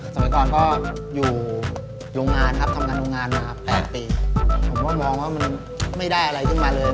สมัยก่อนก็อยู่โรงงานครับทำงานโรงงานมา๘ปีผมก็มองว่ามันไม่ได้อะไรขึ้นมาเลย